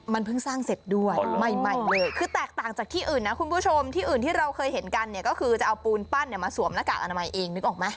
มันเพิ่งสร้างเสร็จด้วยใหม่เลยคือแตกต่างจากที่อื่นนะคุณผู้ชมที่อื่นที่เราเคยเห็นกันเนี่ยก็คือจะเอาปูนปั้นเนี่ยมาสวมหน้ากากอนามัยเองนึกออกไหม